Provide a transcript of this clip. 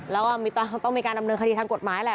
แล้วก็ต้องมีการดำเนินคดีทางกฎหมายแหละ